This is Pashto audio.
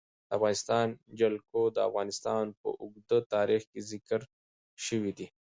د افغانستان جلکو د افغانستان په اوږده تاریخ کې ذکر شوی دی.